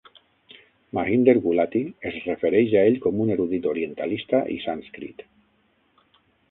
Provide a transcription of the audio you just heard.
Mahinder Gulati es refereix a ell com un erudit orientalista i sànscrit.